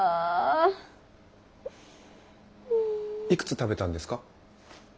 いくつ食べたんですか？